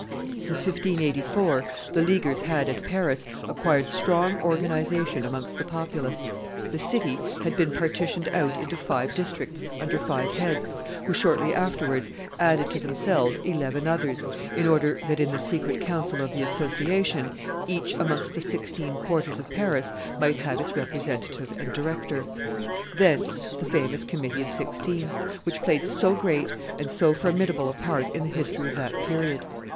Since 1584, the Leaguers had, at Paris, acquired strong organization amongst the populace; the city had been partitioned out into five districts under five heads, who, shortly afterwards, added to themselves eleven others, in order that, in the secret council of the association, each amongst the sixteen quarters of Paris might have its representative and director. Thence the famous Committee of Sixteen, which played so great and so formidable a part in the history of that period.